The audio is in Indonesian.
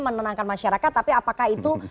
menenangkan masyarakat tapi apakah itu